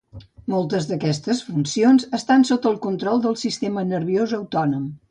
Moltes d'aquestes funcions estan sota el control del sistema nerviós autònom.